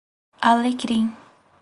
Alecrim